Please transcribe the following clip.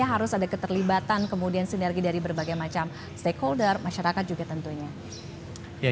harus ada keterlibatan kemudian sinergi dari berbagai macam stakeholder masyarakat juga tentunya